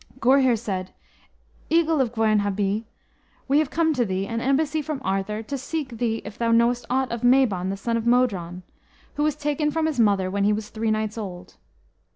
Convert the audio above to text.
Gurhyr said, "Eagle of Gwern Abwy, we have come to thee, an embassy from Arthur, to ask thee if thou knowest aught of Mabon, the son of Modron, who was taken from his mother when he was three nights old?"